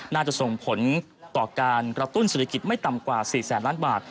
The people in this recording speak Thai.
น่าจะส่งผลต่อการกระตุ้นศิลิกิตไม่ต่ำกว่า๔๐๐๐๐๐บาท